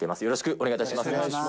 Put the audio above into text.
よろしくお願いします。